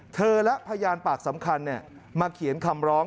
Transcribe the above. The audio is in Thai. พยานและพยานปากสำคัญมาเขียนคำร้อง